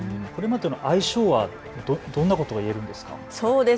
相性は、どんなことが言えるんですか。